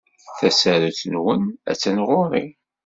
Tasarut-nwen attan ɣur-i.